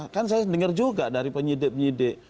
kan saya dengar juga dari penyidik penyidik